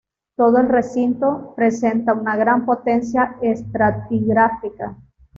Todo el recinto presenta una gran potencia estratigráfica.